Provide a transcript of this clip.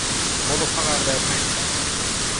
¿Podo falar da emenda?